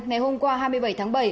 ngày hôm qua hai mươi bảy tháng bảy